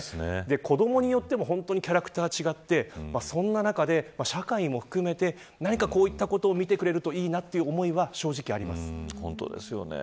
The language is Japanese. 子どもによってもキャラクターが違ってそんな中で、社会も含めて何かこういったことを見てくれるといいなという思いは本当ですよね。